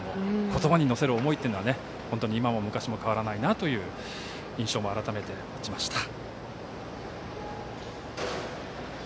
言葉に乗せる思いというのは本当に今も昔も変わらないなという印象を改めて持ちました。